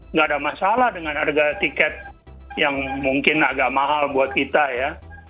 nggak ada masalah dengan harga tiket yang mungkin agak mahal buat kita ya